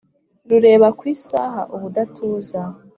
rureba ku isaha ubudatuza